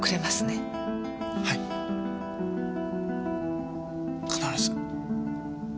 はい必ず。